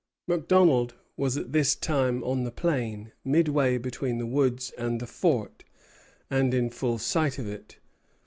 Macdonald was at this time on the plain, midway between the woods and the fort, and in full sight of it.